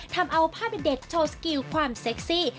ทำเอาภาพเด็ดโชว์สกิลความเซ็กซี่